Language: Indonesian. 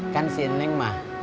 kan si neng mah